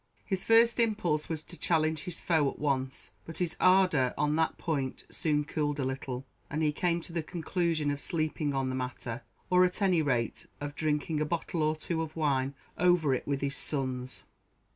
His first impulse was to challenge his foe at once; but his ardour on that point soon cooled a little, and he came to the conclusion of sleeping on the matter, or, at any rate, of drinking a bottle or two of wine over it with his sons.